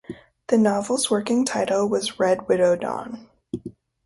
The novel's working title was "Red Widow Dawn".